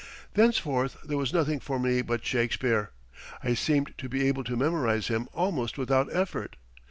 Thenceforth there was nothing for me but Shakespeare. I seemed to be able to memorize him almost without effort.